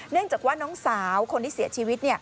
เนื่องจากว่าน้องสาวคนที่เสียชีวิต